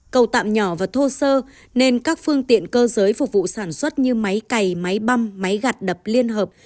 cầu tạm nhỏ và thô sơ nên các phương tiện cơ giới phục vụ sản xuất như máy cày máy băm máy gạt đập liên hợp